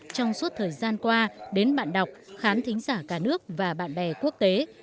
trong suốt thời gian qua đến bạn đọc khán thính giả cả nước và bạn bè quốc tế